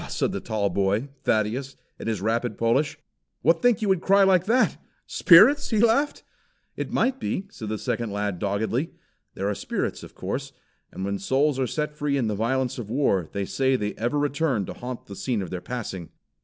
said the tall boy, Thaddeus, in his rapid Polish. "What think you would cry like that spirits?" He laughed. "It might be," said the second lad doggedly. "There are spirits, of course; and when souls are set free in the violence of war they say they ever return to haunt the scene of their passing."